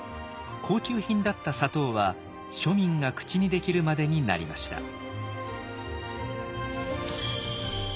高級品だった砂糖は庶民が口にできるまでになりました。